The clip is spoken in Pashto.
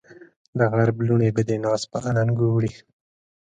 د غرب لوڼې به دې ناز په اننګو وړي